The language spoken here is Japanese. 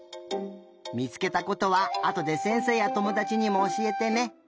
みつけたことはあとでせんせいやともだちにもおしえてね。